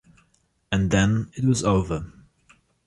And then it was over.